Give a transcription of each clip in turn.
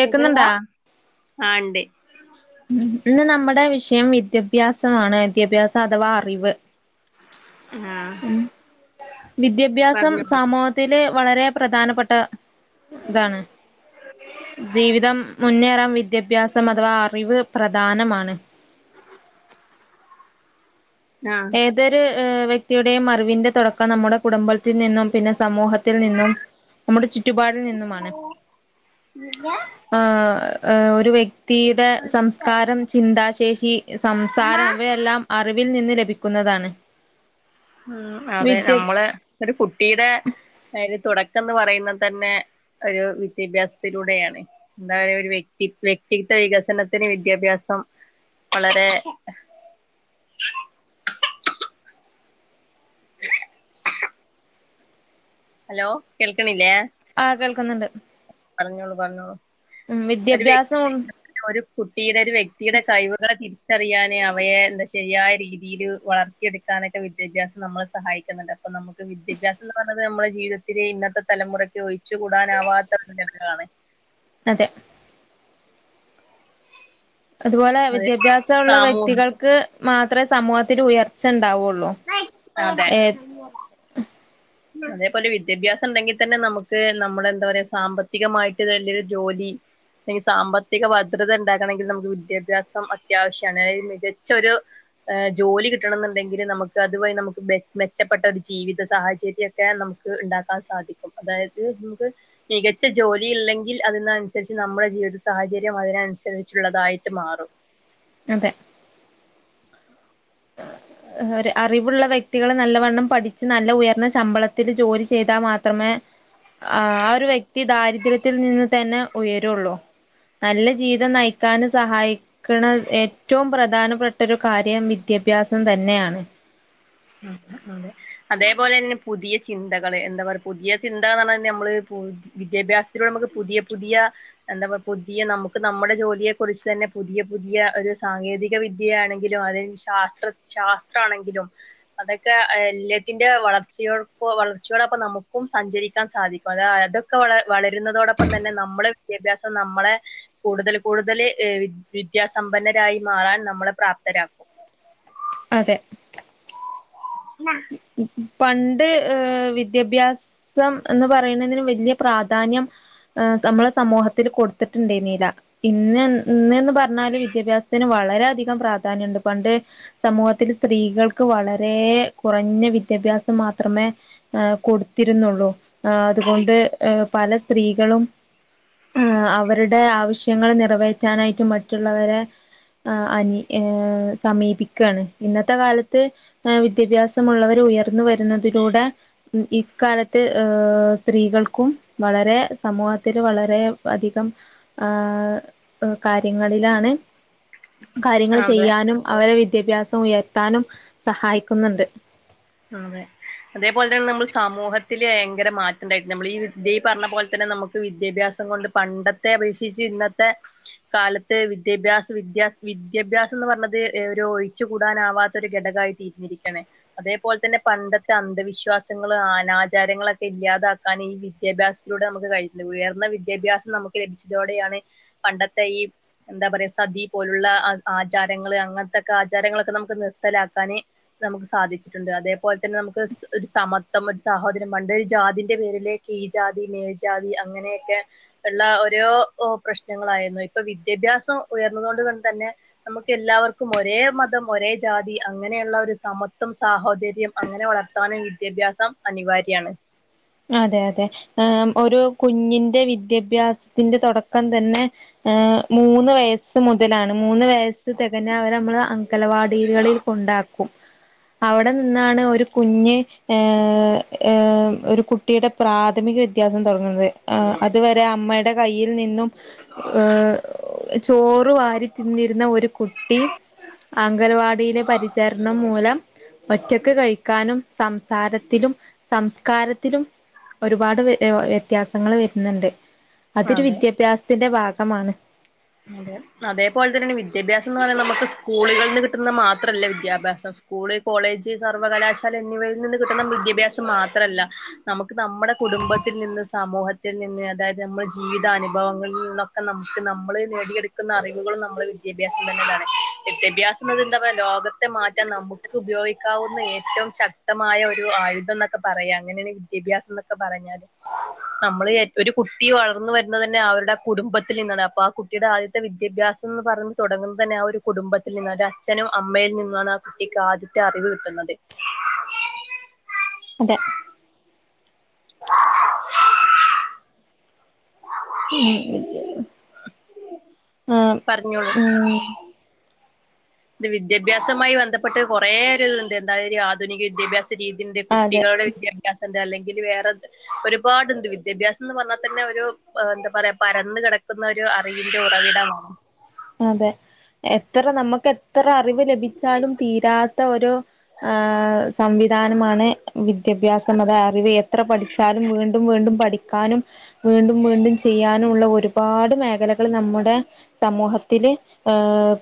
ശക്ക ആണ്ട് ഇന്ന് നമ്മുടെ വിഷയം വിദ്യാഭ്യാസമാണ് വിദ്യാഭ്യാസം അഥവാ അറിവ് ആ ഉ വിദ്യാഭ്യാസം പറഞ്ഞോളൂ സമൂഹത്തിലെ വളരെ പ്രധാനപ്പെട്ട ഇതാണ് ജീവിതം മുന്നേറാൻ വി വിദ്യാഭ്യാസം അഥവാ അറിവ് പ്രധാനമാണ് ആ ഏതൊരു ഹ് വ്യക്തിയുടെയും മറിവിന്റെ തുടക്കം നമ്മുടെ കുടുംബത്തിൽ നിന്നും പിന്നെ സമൂഹത്തിൽ നിന്നും നമ്മുടെ ചുറ്റുപാടിൽ നിന്നുമാണ് ആഹ ഒരു വ്യക്തിയുടെ സംസ്കാരം ചിന്താശേഷി സംസാരം ഇവയെല്ലാം റിവിൽ നിന്ന് ലഭി ക്കുന്നതാണ്. ഉം അതെ നമ്മളെ ഒരു കുട്ടിടെ അയ്ന് തുട ക്ക് ന്ന് പറയുന്നത് തന്നെ ഒരു വിദ്യഭ്യാസത്തിലൂടെയാണ്. ഉണ്ടായ ഒരു വ്യക്തി വ്യക്തിത്വ വികസനത്തിന് വിദ്യാഭ്യാസം വളരെ ഹലോ കേൾക്ണില്ലേ? ആ കേൾക്കുന്നുണ്ട്. പറഞ്ഞോളു പറഞ്ഞോളു ഉം വിദ്യാഭ്യാസം ഉം കുട്ടിയുടെ വ്യക്തിയുടെ കഴിവുകളെ തിരി അറിയാനേ അവയെ എന്താ ശരിയായ രീതില് വളർത്തിയെടുക്കാനൊക്കെ വിദ്യാഭ്യാസം നമ്മളെ സഹായിക്കുന്നുണ്ട് അപ്പം നമുക്ക് വിദ്യാഭാസം എന്ന് പറയുന്നത് നമ്മുടെ ജീവിതത്തിലെ ഇന്നത്തെ തലമുറക്ക് ഒഴിച്ചു കൂടാനാവാത്താ ഘടകങ്ങളാണ്. അതെ അതുപോലെ അത് വിദ്യാഭ്യാസം ഉള്ള സാമൂഹിക വ്യക്തികൾക്ക് മാത്ര അത്ര സമൂഹത്തില് ഉയർച്ച ഉണ്ടാവുള്ളൂ അതെ ഏ അതേപോലെ വിദ്യാഭ്യാസം ഉണ്ടെങ്കിൽ തന്നെ നമുക്ക് നമ്മുടെ എന്താ പറയാ സാമ്പത്തികമായിട്ട് വലിയൊരു ജോലി അല്ലെങ്കി സാമ്പത്തിക ഭദ്രത ഉണ്ടാക്കണെങ്കിൽ നമുക്ക് വിദ്യാഭ്യാസം അത്യാവശ്യമാണ്. അതായത് മികച്ചൊരു ജോലി കിട്ടണം എന്നുണ്ടെങ്കിൽ നമുക്ക് അതുവഴി നമുക്ക് മെച്ചപ്പെട്ട ഒരു ജീവിത സാഹചര്യത്തി ഒക്കെ നമുക്ക് ഉണ്ടാക്കാൻ സാധിക്കും. അതായത് നമുക്ക് മികച്ച ജോലി ഇല്ലെങ്കിൽ അതിനനുസരിച്ച് നമ്മുടെ ജീവിത സാഹചര്യം അതിനനുസരിച്ചുള്ളതായിട്ട് മാറും. അതെ ഒരു അറിവുള്ള വ്യക്തികൾ നല്ലവണ്ണം പഠിച്ച് നല്ല ഉയർന്ന ശമ്പളത്തിൽ ജോലി ചെയ്താൽ മാത്രമേ ആ ഒരു വ്യക്തി ദാരിദ്ര്യത്തിൽ നിന്ന് തന്നെ ഉയരുള്ളൂ നല്ല ജീവിതം നയിക്കൻ സഹായിക്കണ ഏറ്റവും പ്രധാനപ്പെട്ട ഒരു കാര്യം വിദ്യാഭ്യാസം തന്നെ ന്നെയാണ് ഉം അതെ അതുപോലെ തന്നെ പുതിയ ചിന്തകള് എന്താ പറ പുതിയ ചിന്തന്ന് പറ നമ്മള് വിദ്യാഭ്യാസത്തിലൂടെ നമുക്ക് പുതിയ പുതിയ എന്താ പറ പുതിയ നമുക്ക് നമ്മുടെ ജോലിയെ കുറിച്ച് തന്നെ പുതിയ പുതിയ ഒരു സാങ്കേതിക വിദ്യ ആണെങ്കിലും അതായ ശാസ്ത്ര ശാസ്ത്രമാണെങ്കിലും അതൊക്കെ എല്യത്തിറെ വളർച്ചയോക്ക വളർച്ചയോടൊപ്പം നമുക്കും സഞ്ചരിക്കാൻ സാധിക്കും അത് അതൊക്കെ വള വളരുന്നതോടൊപ്പം തന്നെ നമ്മളെ വിദ്യാഭ്യാസം നമ്മളെ കൂടുതൽ കൂടുതൽ വിദ് വിദ്യാസമ്പന്നരായി മാറാൻ നമ്മളെ പ്രാപ്തരാക്കും അതെ [unintelligible] പണ്ട് വിദ്യാഭ്യാസം എന്ന് പറയുന്നതിന് വലിയ പ്രാധാന്യം നമ്മള് സമൂഹത്തിൽ കൊടുത്തിട്ടുണ്ടാരുന്നില്ല. ഇന്ന് ഇന്ന്ന്ന് പറഞ്ഞാല് വിദ്യാഭ്യാസത്തിന് വളരെ അധികം പ്രാധാന്യമുണ്ട് പണ്ട് സമൂഹത്തിൽ സ്ത്രീകൾക്ക് വളരെ കുറഞ്ഞ വിദ് വിദ്യാഭ്യാസം മാത്രമേ കൊടുത്തിരുന്നുള്ളൂ ആ അതുകൊണ്ട് പല സ്ത്രീകളും ആ അവരുടെ ആവശ്യങ്ങൾ നിറവേറ്റാനായിട്ട് മറ്റുള്ളവരെ അനി ഏ സമീപിക്കുകയാണ് ഇന്നത്തെ കാലത്ത് വിദ്യാഭ്യാസമുള്ളവർ ഉയർ തുർന്ന വരുന്നതിലൂടെ ഇക്കാലത്ത് സ്ത്രീകൾക്കും വളരെ സമൂഹത്തി വളരെ അധികം ആ കാര്യങ്ങളിലാണ് കാര്യങ്ങൾ അതെ ചെയ്യാനും അവരെ വിദ്യാഭ്യാസം ഉയർത്താനും സഹായിക്കുന്നുണ്ട്. അതേപോലെ തന്നെ നമ്മൾ സമൂഹത്തില് ഭയങ്കര മാറ്റം ഉണ്ടായിട്ടണ്ട് നമ്മൾ ഈ വിദ്യ ഈ പറഞ്ഞ പോലെ തന്നെ നമുക്ക് വിദ്യാഭ്യാസം കൊണ്ട് പണ്ടത്തെ അപേക്ഷിച്ച് ഇന്നത്തെ കാലത്ത് വിദ്യാഭ്യാസ വിദ്യ വിദ്യാഭ്യാസം എന്ന് പറഞ്ഞത് ഒരു ഒഴിച്ചു കൂടാനാവാത്ത ഒരു ഘടകമായി തീർന്നിരിക്കയാണേ അതേ അതുപോലെ തന്നെ പണ്ടത്തെ അന്ധവിശ്വാസങ്ങള് അനാചാരങ്ങളൊക്കെ ഇല്ലാതാക്കാൻ ഈ വിദ്യാഭ്യാസത്തിലൂടെ നമുക്ക് കഴിഞ്ഞു. ഉയർന്ന വിദ്യാഭ്യാസം നമുക്ക് ലഭിച്ചതോടെയാണ് പണ്ടത്തെ ഈ എന്താ പറയാ സതി പോലുള്ള ആചാരങ്ങള് അങ്ങനത്തൊക്കെ ആചാരങ്ങളൊക്കെ നമുക്ക് നിർത്തലാക്കാന് നമുക്ക് സാധിച്ചു ട്ടുണ്ട്. അതേപോലെ തന്നെ നമുക്ക് ഒരു സമത്വം ഒരു സാഹോദര്യം പണ്ട് ഒരു ജാതിന്റെ പേരിലേ കീഴ് ജാതി മേൽജാതി അങ്ങനെയൊക്കെ ഉള്ള ഓരോ പ്രശ്നങ്ങളായിരുന്നു. ഇപ്പൊ വിദ്യാഭ്യാസം ഉയർന്നത് കൊണ്ട് തന്നെ നമുക്ക് എല്ലാവർക്കും ഒരേ മതം ഒരേ ജാതി അങ്ങനെയുള്ള ഒരു സമത്വം സ് സാഹോദര്യം അങ്ങനെ വളർത്താനും വിദ്യാഭ്യാസം അനിവാര്യമാണ്. അതെ അതെ ആ ഒരു കുഞ്ഞിന്റെ വിദ്യാഭ്യാസത്തിന്റെ തുടക്കം തന്നെ ഹ് മൂന്ന് വയസ്സ് മുതൽ മൂന്ന് വയസ്സ് തികഞ്ഞ അവർ നമ്മളെ അങ്കലവാടികളിൽ കൊണ്ടാക്കും അവിടെ നിന്നാണ് ഒരു കഞ്ഞ് ഏ ഒരു കുട്ടിയുടെ പ്രാഥമിക വിദ്യ ഭ്യാസം. തുടങ്ങുന്നത് അതുവരെ അമ്മയുടെ കൈ നിന്നും ഏ ചോറ് വാരി തിന്നിരുന്ന ഒരു കുട്ടി അങ്കൽവാടിയിലെ പരിചരണം മൂലം ഒറ്റക്ക് കഴിക്കാനും സംസാരത്തിലും സംസ്കാര ഒരുപാട് വെ വ്യത്യാസങ്ങൾ വരുന്നുണ്ട് അതൊരു അതെ വിദ്യാഭ്യാസത്തിന്റെ ഭാഗ കമാണ് അതെ അതേപോലെ തന്നെ വിദ്യാഭ്യാസം എന്ന് പറയുന്നത് നമുക്ക് സ്കൂളിൽ നിന്ന് കിട്ടുന്ന മാത്രമല്ല വിദ്യാഭ്യാസം സ്കൂള് കോളേജ് സർവകലാശാല എന്നിവയിൽ നിന്ന് കിട്ടുന്ന വിദ്യാഭ്യാസം മാത്രമല്ല നമു നമ്മുടെ കുടുംബത്തിൽ നിന്ന് സമൂഹത്തിൽ നിന്ന് അതായത് നമ്മുടെ ജീവിത അനുഭവങ്ങളിൽ നിന്നൊക്കെ നമുക്ക് നമ്മള് നേടിയ കിട്ടുന്ന അറിവുകളും നമ്മള് വിദ്യാഭ്യാസം തന്നാണ് വിദ്യാഭ്യാസം എന്നത് എന്താ പറയാ ലോകത്തെ മാറ്റാൻ നമുക്ക് ഉപയോഗിക്കാവുന്ന ഏറ്റവും ശക്തമായ ഒരു ആയുധം എന്നൊക്കെ പറയാം അങ്ങനെയാണ് വിദ്യാഭ്യാസം എന്നൊക്കെ പറഞ്ഞാല് നമ്മള് ഒരു കുട്ടി വളർന്നു വരുന്നത് തന്നെ അവരുടെ കുടുംബത്തിൽ നിന്നാണ് അപ്പൊ ആ കുട്ട ട്ടിയുടെ ആദ്യത്തെ വിദ്യാഭ്യാസം എന്ന് പറ ഞ്ഞ് തുടങ്ങുന്ന തന്നെ ആ ഒരു കുടുംബത്തിൽ നിന്നും ഒരു അച്ഛനും അമ്മയിൽ നിന്നാണ് ആ കുട്ടിക്ക് ആദ്യത്തെ അറിവ് കിട്ടുന്നത് അതെ ഉം ഇ ആ പറഞ്ഞോളൂ ഉം ഇത് വിദ്യാഭ്യാസമായി ബന്ധപ്പെട്ട് കുറെേഒരു ഇത്ണ്ട് എന്തായാല ഒരു ആധുനിക വിദ്യാഭ്യാസ രീതി അതിന്റെ അതെ കുട്ടികളുടെ വിദ്യാ വിദ്യാഭ്യാസം അല്ലെങ്കിൽ വേറെ ഒരുപാട്ണ്ട് വിദ്യാഭ്യാസം എന്ന് പറഞ്ഞാൽ തന്നെ ഒരു എന്താ പറയാ പരന്ന് കിടക്കുന്ന ഒരു അറിവിന്റെ ഉറവിടമാണ് അതെ എത്ര നമുക്ക് എത്ര അറിവ് ലഭിച്ചാലും തീരാത്ത ഒരു സംവിധാനമാണ് വിദ് ദ്യാഭ്യാസം അത അറിവ് എത്ര പഠിച്ചാലും വീണ്ടും വീണ്ടും പഠിക്കാനും വീണ്ടും വീണ്ടും ചെയ്യാനുള്ള ഒരു ഒരുപാട് മേഖലകൾ നമ്മുടെ സമൂഹ ത്തില്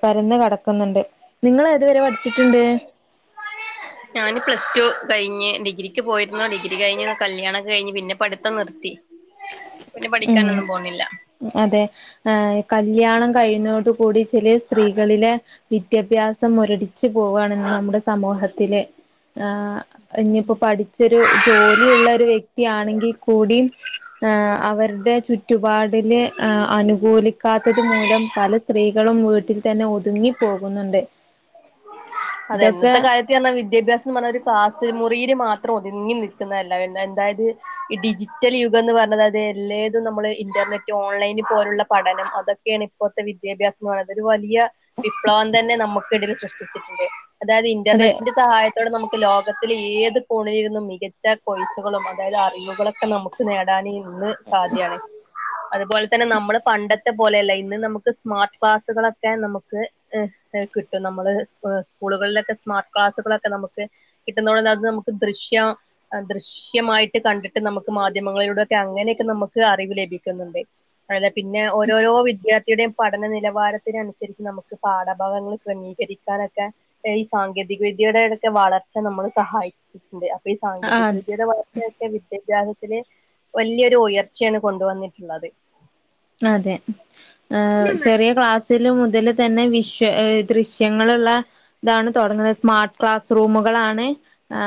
പരന്നു കിടക്കുന്നുണ്ട് നിങ്ങൾ ഏതുവരെ പഠിച്ചിട്ടുണ്ട് ഞാന് പ്ലസ് ടു കഴിഞ്ഞ് ഡിഗ്രിക്ക് പോയിരുന്നോ ഡിഗ്രി കഴിഞ്ഞ് കല്യാണ ഒക്കെ കഴിഞ്ഞ് പിന്നെ പഠിത്തം നിർത്തി പിന്നെ ഉം പഠിക്കാനൊന്നും പോണില്ല അതെ ഏ കല്യാണം കഴുന്നതോട കൂടി ചില സ്ത്രീകളിലെ വിദ്യാഭ്യാസം ഒരടി ച്ച് പോവാണ്ന്ന് നമ്മുടെ സമൂഹത്തിലെ ആ ഇനിപ്പോൊ പഠിച്ചൊരു ജോലിയുള്ള ഒരു വ്യക്തിയാണെങ്കിൽ കൂടി ഏ അവർ രുടെ ചുറ്റുപാടി അനുകൂലിക്കാത്തത് മൂലം പല സ്ത്രീകൾ ളും വീട്ടിൽ തന്നെ ഒതുങ്ങി പോകുന്നുണ്ട് അതെ ഇതൊക്കെ എന്നത്തെ കാര്യത്ത് പറഞ്ഞാൽ വിദ്യാഭ്യാസംന്ന് പറഞ്ഞ ഒരു കാക്ലസ് മുറിയില് മാത്രം ഒതുങ്ങി നിൽക്കുന്നതല്ല എന്തായത് ഈ ഡിജിറ്റൽ യുഗം എന്ന് പറഞ്ഞത് അത് എല്ലഏതും നമ്മള് ഇന്റർനെറ്റ് ഓൺലൈന് പോലുള്ള പഠനം അതൊക്കെയാണ് ഇപ്പോഴത്തെ വിദ്യാഭ്യാസം എന്ന് പറയ ഒരു വലിയ വിപ്ലവം തന്നെ നമുക്ക് കെടിൽ സൃഷ്ടിച്ചിട്ടിണ്ട് അതായത് അതെ ഇന്റർനെറ്റിന്റെ സഹായത്തോടെ നമുക്ക് ലോ മത്തിലെ ഏത് കോണിലിരുന്നു മികച്ച കോയ്സുകളും അതായത് അറിവുകളൊക്കെ നമുക്ക് നേടാന് ഒന്ന് സാധ്യണേ അതുപോലെ തന്നെ നമ്മള് പണ്ടത്തെ പോലെയല്ല ഇന്ന് നമുക്ക് സ്മാർട്ട് ക്ലാസ്സുകളൊക്കെ നമുക്ക് [unintelligible] കിട്ടും ഇ നമ്മള് സ്കൂളുകളിലൊക്കെ സ്മാർട്ട് ക്ലാസ്സുകളൊക്കെ നമുക്ക് കിട്ടുന്നത അത് നമുക്ക് ദൃശ്യ ദൃശ്യമായിട്ട് കണ്ടിട്ട് നമുക്ക് മാധ്യമങ്ങളിലൂടെക്കെ അങ്ങനെയൊക്കെ നമുക്ക് അറിവ് ലഭിക്കുന്നുണ്ട് അത പിന്നെ ഓരോരോ വിദ്യാർത്ഥിയുടെയും പഠന നിലവാരത്തിനനുസരിച്ച് നമുക്ക് പാഠഭാഗങ്ങൾ ക്രമീകരിക്കാനൊക്കെ ഈ സാങ്കേതിക വിദ്യയുടെക്കെ വളർച്ച നമ്മൾ സഹായിക്കിട്ടിണ്ട് സാങ്കേതിക ആഹ് വിദ്യെടെ [unintelligible] വല്യോരു ഉയർച്ചയാണ് കൊണ്ട വന്നിട്ടിള്ളത് അതെ ആ ചെറിയ ക്ലാസ് ഇല് മുതൽ തന്നെ വിഷ ദൃശ്യങ്ങളുള്ള ഇതാണ് തുടങ്ങുന്നത് സ്മാർട്ട് ക്ലാസ് റൂമുകളാണ് ആ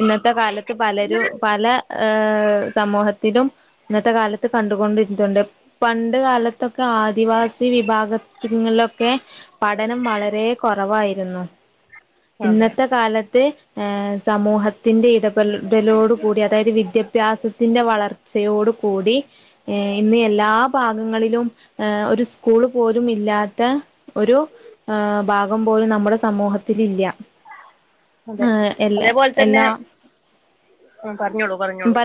ഇന്നത്തെ കാലത്ത് പലരു പല ഏ സമൂഹത്തിലും ഇന്നത്തെ കാലത്ത് കണ്ടുകൊണ്ടിരുന്നുണ്ട് പണ്ട് കാലത്തൊക്കെ ആദിവാസി വിഭാഗത്തിങ്ങളിലൊക്കെ പഠനം വളരെ കൊറവായിരുന്നു അതെ ഇന്നത്തെ കാലത്തെ ഏ സമൂഹത്തിന്റെ ഇട ൽ ദലോടു കൂടി അതായത് വിദ്യാഭ്യാസത്തിന്റെ വളർ ഉച്ചയോട് കൂടി ഈ ഇന്ന് എല്ലാ ഭാഗങ്ങളിലും ഏ ഒരു സ്കൂള് പോലും ഇല്ലാത്ത ഒരു ആ ബാഗം പോലും നമ്മുടെ സമൂഹത്തിലില്ല അതെ ആ എല്ല എല്ലാ ആ പറഞ്ഞോളൂ പറഞ്ഞോളൂ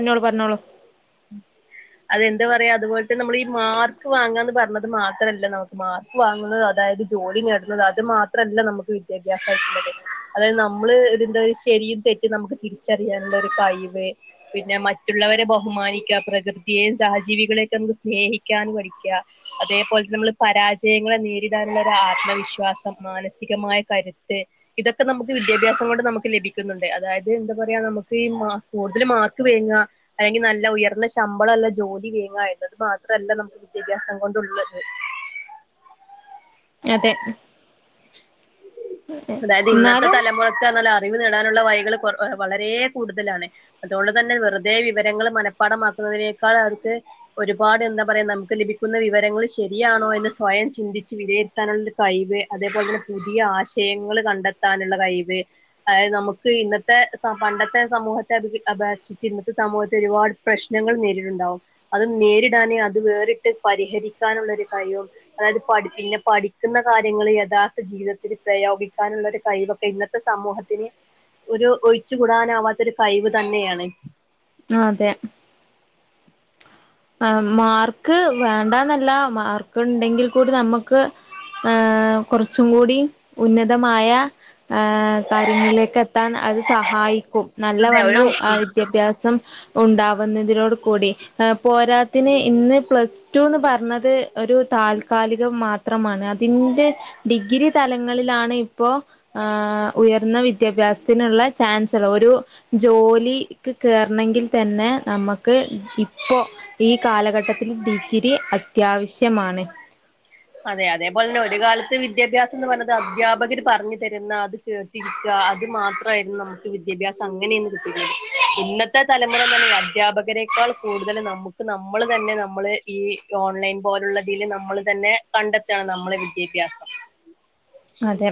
അതെന്ത് പറയാ അതുപോലെ തന്നെ നമ്മൾ ഈ മാർക്ക് വാങ്ങാ എന്ന് പറഞ്ഞത് മാത്രല്ല നമുക്ക് മാർക്ക് വാങ്ങുന്നത് അതായത് ജോലി നേടുന്നത് അത് മാത്രല്ല നമുക്ക് വിദ്യാഭ്യാസയിട്ടുള്ളത് അതായത് നമ്മള് എന്താ ഒരു ശരിയും തെറ്റും നമുക്ക് തിരിച്ചറിയാണ് കഴിവ് പിന്നെ മറ്റുള്ളവരെ ബഹുമാനിക്കുക പ്രകൃതിയും സഹജീവികളെയൊക്കെ നമുക്ക് സ്നേഹിക്കൻ പഠിക്കുക അതേപോലെ നമ്മള് പരാജയങ്ങളെ നേരിടാനുള്ള ആത്മവിശ്വാസം മാനസികമായ കരുത്ത് ഇതൊക്കെ നമുക്ക് വിദ്യാഭ്യാസം കൊണ്ട് നമുക്ക് ലഭിക്കുന്നുണ്ട് അതായത് എന്താ പറയാ നമുക്ക് ഈ കൂടുതൽ മാർക്ക് വേങ്ങ അല്ലെങ്കിൽ നല്ല ഉയർന്ന ശമ്പളമല്ല ജോലി വേങ്ങ എന്നത് മാത്രല്ല നമുക്ക് വിദ്യാഭ്യാസം കൊണ്ടുള്ളത് അതെ അതായത് ഇന്നത്തെ എന്നാലും തലമുറക്ക്ന്നല്ല അറിവ് നേടാനുള്ള വൈകൾ കൊ വളരെ കൂടുതലാണ് അതുകൊണ്ട് തന്നെ വെറുതെ വിവരങ്ങൾ മനപ്പാടമാക്കുന്നതിനേക്കാൾ അവർക്ക് ഒരുപാട് എന്താ പറയാ നമുക്ക് ലഭിക്കുന്ന വിവരങ്ങൾ ശരിയാണോ എന്ന് സ്വയം ചിന്തിച്ച് വിലയിരുത്താനുള്ളരു കഴിവ് അതേപോലെ തന്നെ പുതിയ ആശയങ്ങൾ കണ്ടെത്താനുള്ള കഴിവ് അതായത് നമുക്ക് ഇന്നത്തെ സ പണ്ടത്തെ സമൂഹത്തെ അത് അപേക്ഷിച്ച് ഇന്നത്തെ സമൂഹത്തെ ഒരുപാട് പ്രശ്നങ്ങൾ നേരിട്ടുണ്ടാവും അത് നേരിടാനെ അത് വേറിട്ട് പരിഹരിക്കാനുള്ള ഒരു കഴിവും അതായത് പടി പിന്നെ പഠിക്കുന്ന കാര്യങ്ങൾ യഥാർത്ഥ ജീവിതത്തിൽ പ്രയോഗിക്കാനുള്ള ഒരു കഴിവൊക്കെ ഇന്നത്തെ സമൂഹത്തിന് ഒരു ഒഴിച്ചുകൂടാനാവാ രു കൈവ് തന്നെയാണ്. അ അതെ ആ മാർക്ക് വേണ്ടാന്നല്ല മാർക്ക് എണ്ടെങ്കിൽ കൂടി നമ്മുക്ക് ഏ കുറച്ചും കൂടി ഉന്നതമായ ആ കാര്യങ്ങളിലേക്ക് എത്താൻ അത് സഹായിക്കും അതെ ഒരു നല്ലവണ്ണം അ വിദ്യാഭ്യാസം ഉണ്ടാവുന്നതിനോട് കൂടി പോരാത്തിന് ഇന്ന് പ്ലസ് ടു ന്ന് പറഞ്ഞത് ഒരു താൽക്കാലികം മാത് പത്രമാണ് അതിന്റെ ഡിഗ്രി തലങ്ങളിലാണ് ഇപ്പോ ഹ ഉയർന്ന വിദ്യാഭ്യാസത്തിനുള്ള ചാൻസലർ ഒരു ജോലി കേറണങ്കിൽ തന്നെ നമക്ക് ക്ക് ഇപ്പോ ഈ കാലഘട്ടത്തിൽ ഡിഗ്രി അത്യാവശ്യമാണ്. അതെ അതേപോലെന്നെ ഒരു കാലത്ത് വിദ്യാഭ്യാസം ന്ന് പറഞ്ഞത് അധ്യാപകര് പറഞ്ഞു തരുന്ന അത് കേട്ടിരിക്കുക അത് മാത്രമായിരുന്നു നമുക്ക് വിദ്യാഭ്യാസം അങ്ങനെയന്ന്വിദ്യഭ്യാസം കിട്ടയിത്. ഇന്നത്തെ തലമുറ എങ്ങനാണ് അധ്യാപകരെക്കാൾ കൂടുതൽ നമുക്ക് നമ്മള് തന്നെ നമ്മള് ഈ ഓൺലൈൻ പോലുള്ളതിൽ നമ്മൾ തന്നെ കണ്ടെത്തയാണ് നമ്മളെ വിദ്യാഭ്യാസം. അതെ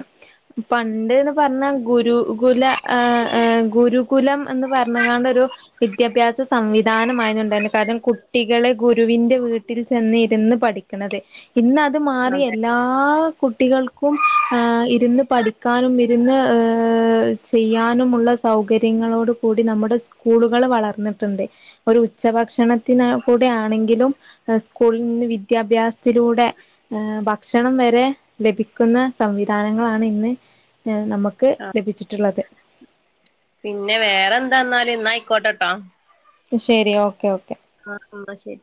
പണ്ട് ന്ന് പറഞ്ഞ ഗുരുകുല ആ ആ ഗുരുകുലം എന്ന് പറഞ്ഞതാണ്ട ഒരു വിദ്യാഭ്യാസ സംവിധാനമായരുന്നുണ്ടായിരുന്നു. കാരണം കുട്ടികളെ ഗുരുവിന്റെ വീട്ടിൽ ചെന്നിരുന്ന് പഠിക്കണത്. ഇന്ന് അത് മാറി അതെ എല്ലാ കുട്ടികൾ ക്കും ഇരുന്ന് പഠിക്കാനും ഇരുന്ന് ചെയ്യാനുമുള്ള സൗകര്യങ്ങളോട് കൂടി നമ്മുടെ സ്കൂളുകൾ വളർന്നിട്ടുണ്ട് ഒരു ഉച്ചഭക്ഷണത്തിന് കൂടെ ആണെങ്കിലും സ്കൂളിൽ നിന്ന് വിദ്യാഭ്യാസത്തിലൂടെ ഭക്ഷണം വരെ ലഭിക്ക ക്കുന്ന സംവിധാനങ്ങളാണ് ഇന്ന്. നമുക്ക് ആ ലഭിച്ചിട്ടുള്ളത്. പിന്നെ വേറെ എന്താന്നാല ഇന്നായിക്കോട്ടെട്ടോ. ശരി ഓക്കെ ഓക്കെ. ആ എന്ന ശരി